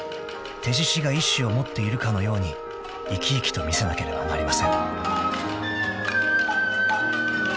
［手獅子が意思を持っているかのように生き生きと見せなければなりません］